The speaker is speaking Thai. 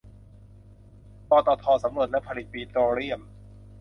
ปตท สำรวจและผลิตปิโตรเลียม